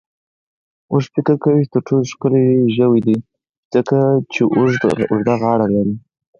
اوښ فکر کوي چې تر ټولو ښکلی ژوی دی، ځکه چې اوږده غاړه لري.